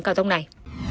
cao tốc này